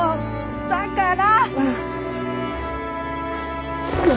だから。